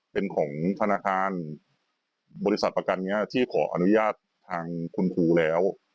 เป็นของธนาคารบริษัทประกันที่ขออนุญาตทางคุณครูแล้ว